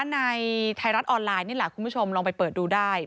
ในไทยรัฐออนไลน์นี่แหละคุณผู้ชมลองไปเปิดดูได้